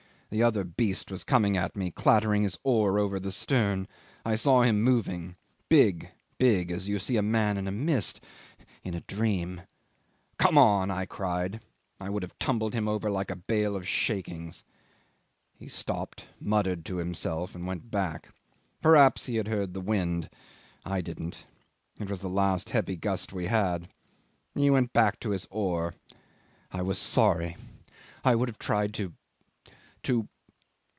The other beast was coming at me, clattering his oar over the stern. I saw him moving, big, big as you see a man in a mist, in a dream. 'Come on,' I cried. I would have tumbled him over like a bale of shakings. He stopped, muttered to himself, and went back. Perhaps he had heard the wind. I didn't. It was the last heavy gust we had. He went back to his oar. I was sorry. I would have tried to to